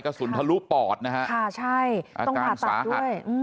กระสุนทะลุปอดอาการสาหัส